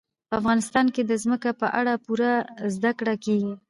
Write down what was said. په افغانستان کې د ځمکه په اړه پوره زده کړه کېږي.